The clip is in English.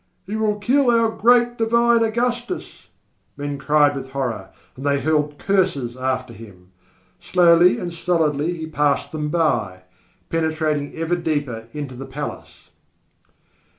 "He will kill our great, divine Augustus," men cried with horror, and they hurled curses after him. Slowly and stolidly he passed them by, penetrating ever deeper into the palace.